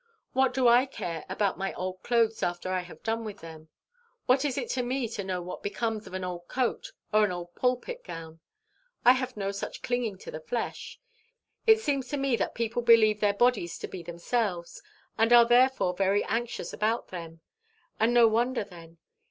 What do I care about my old clothes after I have done with them? What is it to me to know what becomes of an old coat or an old pulpit gown? I have no such clinging to the flesh. It seems to me that people believe their bodies to be themselves, and are therefore very anxious about them and no wonder then.